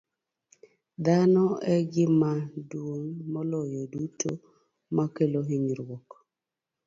Dhano e gima duong' moloyo duto makelo hinyruok.